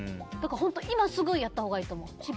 今すぐやったほうがいいと思う。